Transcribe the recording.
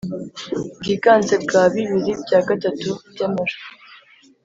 Bwiganze bwa bibiri bya gatatu by amajwi